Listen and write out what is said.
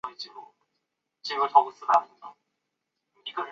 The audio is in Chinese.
凯尔福特人口变化图示